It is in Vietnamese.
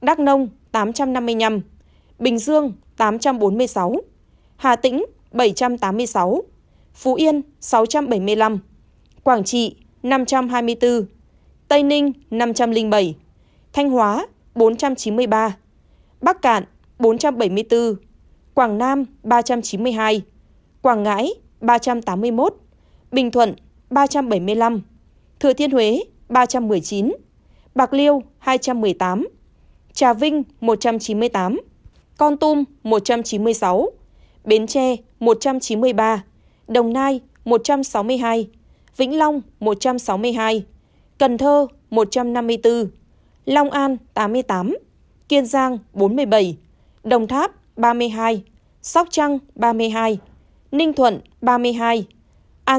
bắc cạn bốn trăm bảy mươi bốn quảng nam ba trăm chín mươi hai quảng ngãi ba trăm tám mươi một bình thuận ba trăm bảy mươi năm thừa thiên huế ba trăm một mươi chín bạc liêu hai trăm một mươi tám trà vinh một trăm chín mươi tám con tum một trăm chín mươi sáu bến tre một trăm chín mươi ba đồng nai một trăm sáu mươi hai vĩnh long một trăm sáu mươi hai cần thơ một trăm năm mươi bốn lòng an tám mươi tám kiên giang bốn trăm chín mươi hai đà nẵng tám trăm năm mươi năm bình thuận ba trăm bảy mươi năm thừa thiên huế ba trăm một mươi chín bạc liêu hai trăm một mươi tám trà vinh một trăm chín mươi tám con tum một trăm chín mươi sáu bến tre một trăm chín mươi ba đồng nai một trăm sáu mươi hai vĩnh long một trăm sáu mươi hai cần thơ một trăm năm mươi bốn lòng an tám mươi tám kiên giang bốn trăm chín mươi ba đồng nai một trăm sáu mươi hai vĩnh long một trăm sáu mươi hai cần